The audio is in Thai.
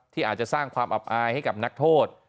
ที่อาจจะสร้างความอับอายให้กับนักโทษ